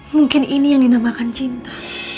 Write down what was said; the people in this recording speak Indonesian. mungkin ini yang dinamakan cinta